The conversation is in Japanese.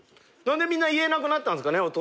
何でみんな言えなくなったんですかね？